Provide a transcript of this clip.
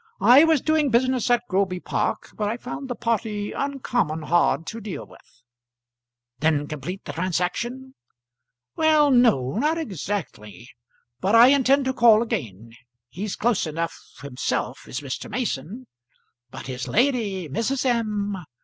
I was doing business at Groby Park, but I found the party uncommon hard to deal with." "Didn't complete the transaction?" "Well, no; not exactly; but I intend to call again. He's close enough himself, is Mr. Mason. But his lady, Mrs. M.!